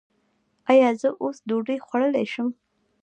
ایا زه اوس ډوډۍ خوړلی شم؟